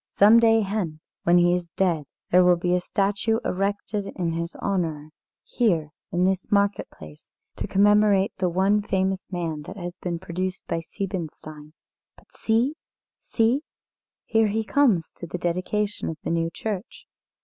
Some day hence, when he is dead, there will be a statue erected in his honour here in this market place, to commemorate the one famous man that has been produced by Siebenstein. But see see! Here he comes to the dedication of the new church."